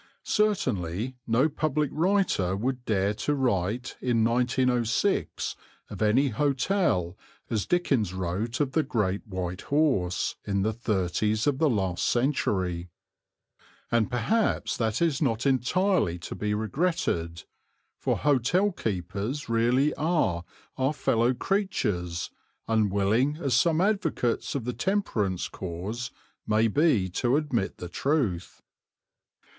Certainly no public writer would dare to write in 1906 of any hotel as Dickens wrote of the "Great White Horse" in the thirties of the last century; and perhaps that is not entirely to be regretted, for hotel keepers really are our fellow creatures, unwilling as some advocates of the Temperance Cause may be to admit the truth.